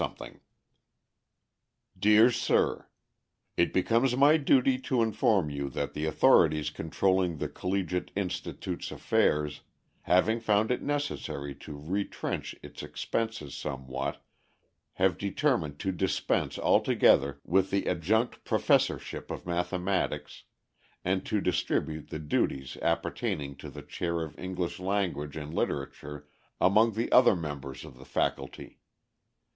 Dear Sir: It becomes my duty to inform you that the authorities controlling the collegiate institute's affairs, having found it necessary to retrench its expenses somewhat, have determined to dispense altogether with the adjunct professorship of Mathematics, and to distribute the duties appertaining to the chair of English Language and Literature among the other members of the faculty.